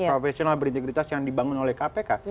profesional berintegritas yang dibangun oleh kpk